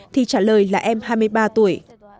thì trả lời là em hai mươi ba tuổi